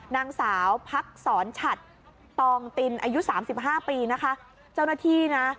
นางสาวพักสอนฉัดตองตินอายุสามสิบห้าปีนะคะเจ้าหน้าที่นะ